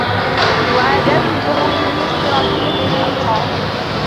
معاداة اليهود هي اشتراكية الحمقى.